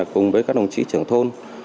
cùng với các đồng chí trưởng thôn